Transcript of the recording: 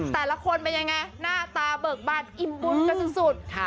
แต่ละคนเป็นยังไงหน้าตาเบิกบานอิ่มบุญกันสุด